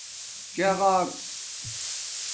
چَغݳق